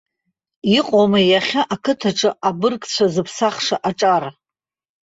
Иҟоума иахьа ақыҭаҿы абыргцәа зыԥсахша аҿар?